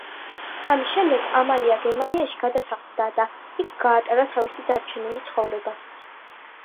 ამის შემდეგ ამალია გერმანიაში გადასახლდა და იქ გაატარა თავისი დარჩენილი ცხოვრება.